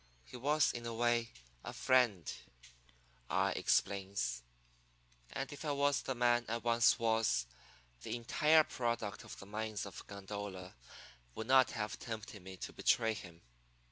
He was in a way a friend,' I explains, 'and if I was the man I once was the entire product of the mines of Gondola would not have tempted me to betray him.